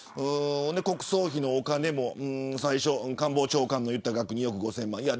国葬費のお金も官房長官の言った額２億５０００万。